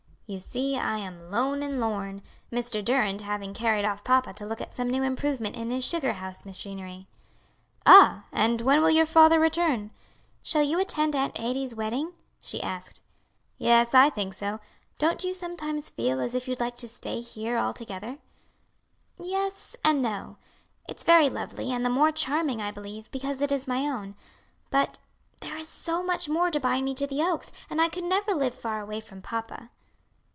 "You see I am 'lone and lorn,' Mr. Durand having carried off papa to look at some new improvement in his sugar house machinery." "Ah! and when will your father return?" "In about an hour, I presume. Shall you attend Aunt Adie's wedding?" she asked. "Yes, I think so. Don't you sometimes feel as if you'd like to stay here altogether?" "Yes, and no; it's very lovely, and the more charming I believe, because it is my own; but there is so much more to bind me to the Oaks, and I could never live far away from papa."